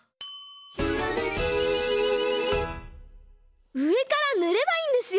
「ひらめき」うえからぬればいいんですよ！